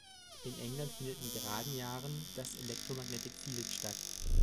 In England findet in geraden Jahren das Electromagnetic Field statt.